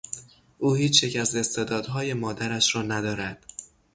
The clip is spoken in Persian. او هیچ یک از استعدادهای مادرش را ندارد.